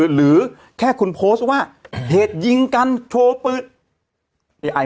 หรือแค่คุณโพสต์ว่าเหตุยิงกันโชว์ปืน